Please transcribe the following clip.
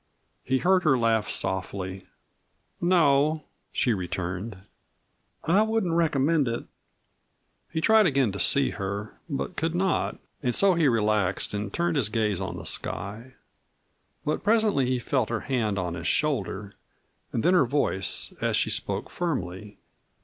He heard her laugh softly. "No," she returned; "I wouldn't recommend it." He tried again to see her, but could not, and so he relaxed and turned his gaze on the sky. But presently he felt her hand on his shoulder, and then her voice, as she spoke firmly.